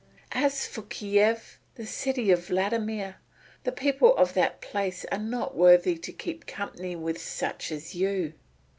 As for Kiev, the city of Vladimir, the people of that place are not worthy to keep company with such as you.